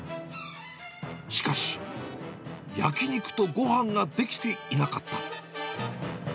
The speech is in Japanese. しかし、焼き肉とごはんが出来ていなかった。